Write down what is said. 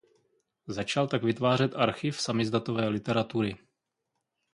Začal tak vytvářet archiv samizdatové literatury.